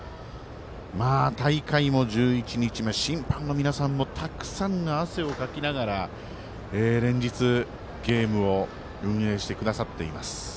大会も１１日目、審判の皆さんもたくさんの汗をかきながら連日、ゲームを運営してくださっています。